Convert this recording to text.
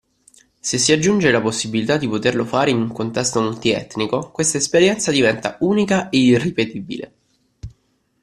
Se si aggiunge la possibilità di poterlo fare in un contesto multi-etnico, questa esperienza diventa unica e irripetibile.